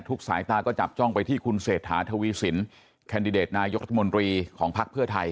สายตาก็จับจ้องไปที่คุณเศรษฐาทวีสินแคนดิเดตนายกรัฐมนตรีของภักดิ์เพื่อไทย